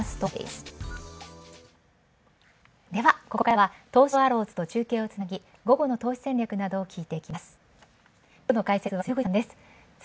ではここからは東証アローズと中継をつなぎ午後の投資戦略などを聞いていきます。